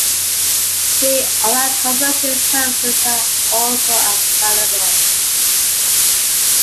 Free online conversion services are also available.